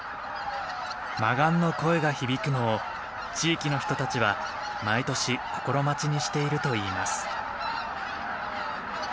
マガンの声が響くのを地域の人たちは毎年心待ちにしているといいます。